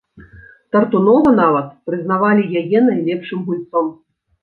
Тартунова нават прызнавалі яе найлепшым гульцом.